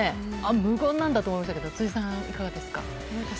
無言なんだと思ったけど辻さん、いかがですか？